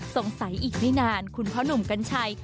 สงสัยอีกไม่นานคุณพ่อหนุ่มกัญชัย